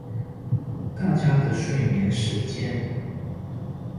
大家的睡眠時間